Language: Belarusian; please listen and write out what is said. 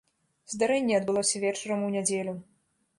Здарэнне адбылося вечарам у нядзелю.